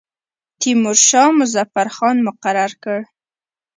تیمورشاه مظفر خان مقرر کړ.